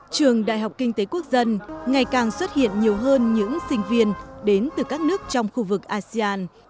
trường đại học kinh tế quốc dân ngày càng xuất hiện nhiều hơn những sinh viên đến từ các nước trong khu vực asean